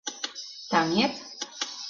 — Таҥет?